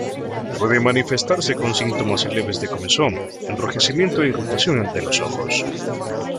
Puede manifestarse con síntomas leves de comezón, enrojecimiento e irritación de los ojos.